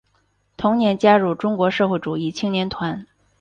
同年加入中国社会主义青年团。